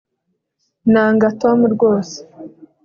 nanga tom rwose